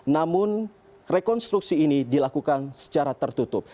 namun rekonstruksi ini dilakukan secara tertutup